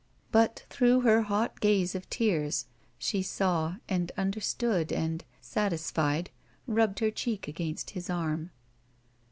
But through her hot gaze of tears she saw and understood and, satisfied, rubbed her cheek against his arm.